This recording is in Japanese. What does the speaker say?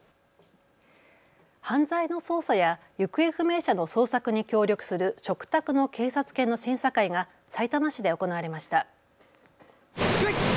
犯罪の捜査や行方不明者の捜索に協力する嘱託の警察犬の審査会がさいたま市で行われました。